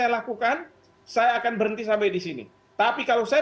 mereka yang tidak berada di negara negara